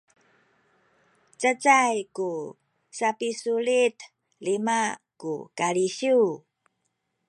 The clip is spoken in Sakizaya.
cacay ku sapisulit lima ku kalisiw